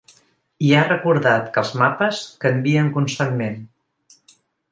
I ha recordat que els mapes ‘canvien constantment’.